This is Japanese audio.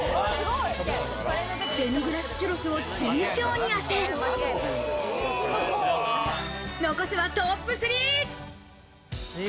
デミグラス・チュロスを順調に当て、残すはＴＯＰ３。